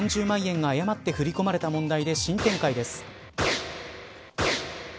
４６３０万円が誤って振り込まれた問題で新展開です。